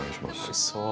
おいしそう！